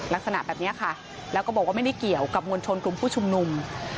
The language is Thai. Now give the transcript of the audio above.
ลักษณะแบบนี้ค่ะแล้วก็บอกว่าไม่ได้เกี่ยวกับมวลชนกลุ่มผู้ชุมนุม